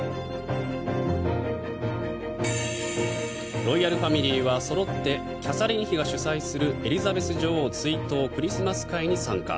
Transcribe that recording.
ロイヤルファミリーはそろってキャサリン妃が主催するエリザベス女王追悼クリスマス会に参加。